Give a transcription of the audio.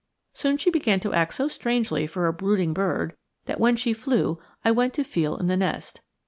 Soon she began to act so strangely for a brooding bird that, when she flew, I went to feel in the nest.